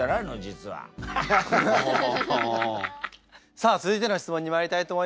さあ続いての質問にまいりたいと思います。